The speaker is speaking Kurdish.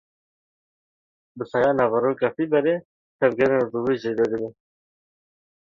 Bi saya naveroka fîberê, tevgerên rûvî zêde dibe.